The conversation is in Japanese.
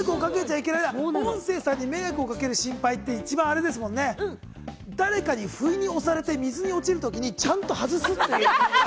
音声さんに迷惑をかける心配って一番あれですもんね、誰かに不意に押されて、水に落ちるときにちゃんと外す。